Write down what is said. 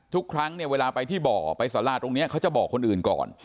ทุกครั้งเนี่ยเวลาไปที่บ่อไปสาราตรงนี้เขาจะบอกคนอื่นก่อน